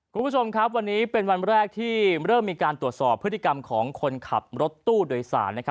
คุณผู้ชมครับวันนี้เป็นวันแรกที่เริ่มมีการตรวจสอบพฤติกรรมของคนขับรถตู้โดยสาร